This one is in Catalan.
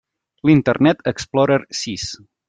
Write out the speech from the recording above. L'Internet Explorer sis.